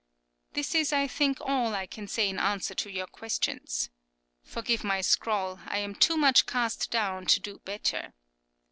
This is, I think, all I can say in answer to your questions. Forgive my scrawl, I am too much cast down to do better.